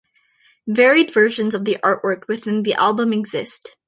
Varied versions of the artwork within the album exist.